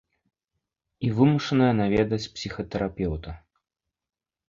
І вымушаная наведваць псіхатэрапеўта.